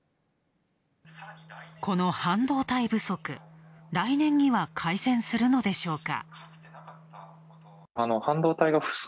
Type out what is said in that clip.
この半導体不足、来年には改善するのでしょうか？